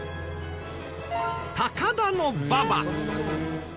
高田馬場。